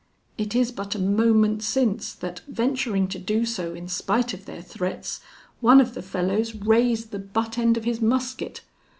It is but a moment since, that venturing to do so, in spite of their threats, one of the fellows raised the butt end of his musket.